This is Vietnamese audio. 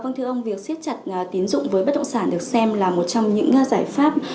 vâng thưa ông việc siết chặt tín dụng với bất động sản được xem là một trong những giải pháp